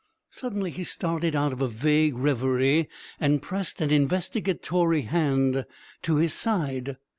Suddenly he started out of a vague reverie and pressed an investigatory hand to his side.